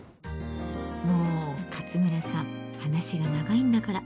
もう勝村さん話が長いんだから。